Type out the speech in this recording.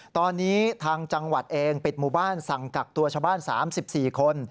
ตอนนี้ทางจังหวัดเองปิดหมู่บ้านสั่งกักตัวชาวบ้าน๓๔คน